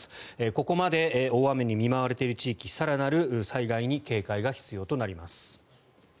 ここまで大雨に見舞われている地域更なる災害に警戒が必要となります。